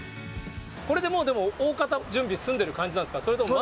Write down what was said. これでもう、でもおおかた準備、済んでる感じなんですか？